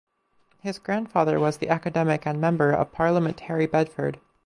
His grandfather was the academic and member of parliament Harry Bedford.